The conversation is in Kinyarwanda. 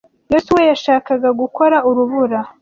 Yosuwa yashakaga gukora urubura.